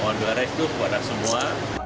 mohon beres kepada semua